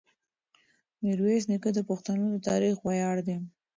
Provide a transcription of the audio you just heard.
میرویس نیکه د پښتنو د تاریخ ویاړ دی.